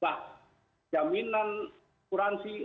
bah jaminan kuransi untuk